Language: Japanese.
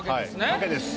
賭けです。